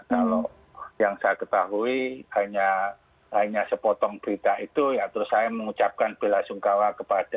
kalau yang saya ketahui hanya sepotong berita itu ya terus saya mengucapkan bela sungkawa kepada